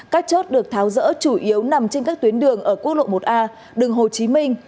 các chốt được tháo rỡ chủ yếu nằm trên các tuyến đường ở quốc lộ một a đường hồ chí minh